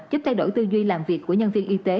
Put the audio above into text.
giúp thay đổi tư duy làm việc của nhân viên y tế